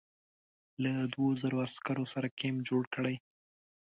له دوو زرو عسکرو سره کمپ جوړ کړی.